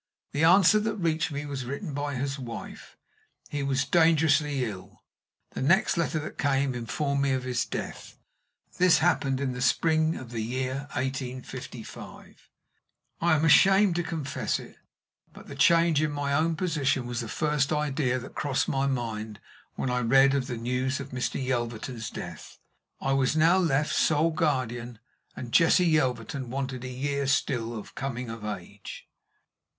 The answer that reached me was written by his wife: he was dangerously ill. The next letter that came informed me of his death. This happened early in the spring of the year 1855. I am ashamed to confess it, but the change in my own position was the first idea that crossed my mind when I read the news of Mr. Yelverton's death. I was now left sole guardian, and Jessie Yelverton wanted a year still of coming of age.